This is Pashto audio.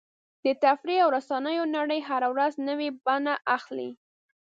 د تفریح او رسنیو نړۍ هره ورځ نوې بڼه اخلي.